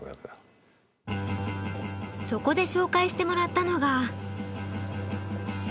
そこで紹介してもらったのが。